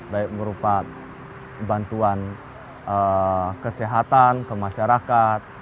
baik merupakan bantuan kesehatan ke masyarakat